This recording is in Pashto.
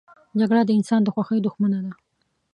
جګړه د انسان د خوښۍ دښمنه ده